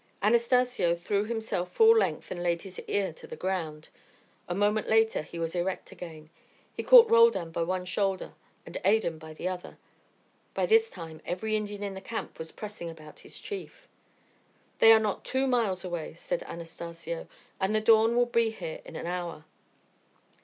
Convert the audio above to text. Anastacio threw himself full length and laid his ear to the ground. A moment later he was erect again. He caught Roldan by one shoulder and Adan by the other. By this time every Indian in the camp was pressing about his chief. "They are not two miles away," said Anastacio. "And the dawn will be here in an hour.